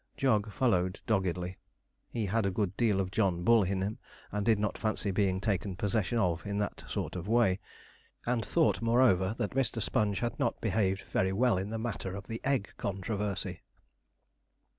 Jog followed doggedly. He had a good deal of John Bull in him, and did not fancy being taken possession of in that sort of way; and thought, moreover, that Mr. Sponge had not behaved very well in the matter of the egg controversy.